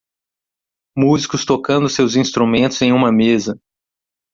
Músicos tocando seus instrumentos em uma mesa.